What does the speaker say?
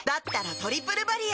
「トリプルバリア」